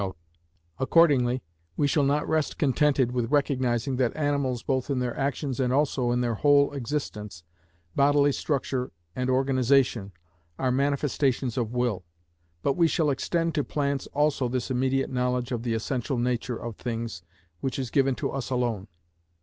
(32) Accordingly, we shall not rest contented with recognising that animals, both in their actions and also in their whole existence, bodily structure and organisation, are manifestations of will; but we shall extend to plants also this immediate knowledge of the essential nature of things which is given to us alone.